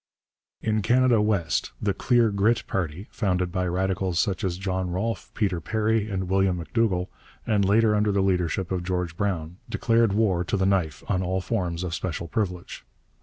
In Canada West the 'Clear Grit' party, founded by Radicals such as John Rolph, Peter Perry, and William M'Dougall, and later under the leadership of George Brown, declared war to the knife on all forms of special privilege.